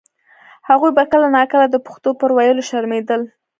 هغوی به کله نا کله د پښتو پر ویلو شرمېدل.